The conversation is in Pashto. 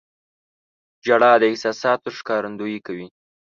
• ژړا د احساساتو ښکارندویي کوي.